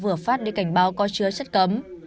vừa phát đi cảnh báo có chứa chất cấm